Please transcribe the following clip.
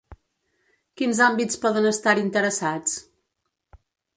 Quins àmbits poden estar-hi interessats?